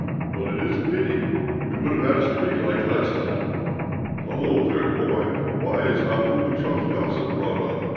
But it is a pity; we would have had a spree like last time. Hullo! there, boy, why is not Pugatchéf's gossip brought up?